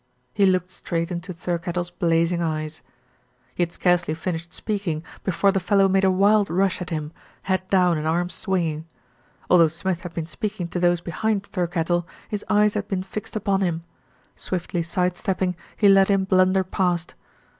He looked straight into Thirkettle's blazing eyes. He had scarcely finished speaking before the fellow made a wild rush at him, head down and arms swing ing. Although Smith had been speaking to those be hind Thirkettle, his eyes had been fixed upon him. Swiftly side stepping, he let him blunder past.